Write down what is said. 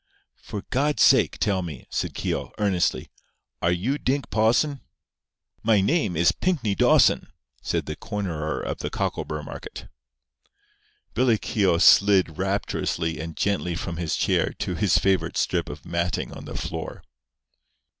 "For God's sake, tell me," said Keogh, earnestly, "are you Dink Pawson?" "My name is Pinkney Dawson," said the cornerer of the cockleburr market. Billy Keogh slid rapturously and gently from his chair to his favourite strip of matting on the floor.